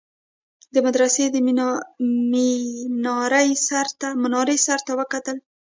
د مدرسې د مينارې سر ته يې وكتل.